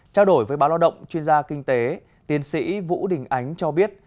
trao đổi với báo lo động chuyên gia kinh tế tiến sĩ vũ đình ánh cho biết